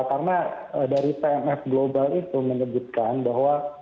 karena dari tnf global itu menyebutkan bahwa